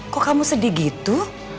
kok kamu sedih gitu